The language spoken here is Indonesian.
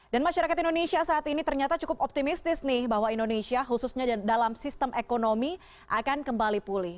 dan masyarakat indonesia saat ini ternyata cukup optimistis nih bahwa indonesia khususnya dalam sistem ekonomi akan kembali pulih